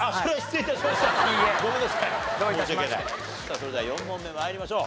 それでは４問目参りましょう。